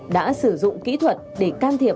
đã sử dụng kỹ thuật để can thiệp